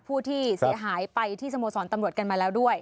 ผู้เสียหายไปที่สโมสรตำรวจกันมาแล้วด้วย